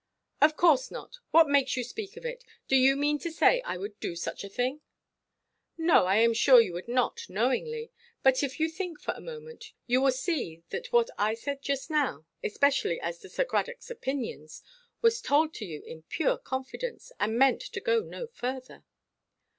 "Of course not. What makes you speak of it? Do you mean to say I would do such a thing?" "No, I am sure you would not, knowingly. But if you think for a moment, you will see that what I said just now, especially as to Sir Cradockʼs opinions, was told to you in pure confidence, and meant to go no further."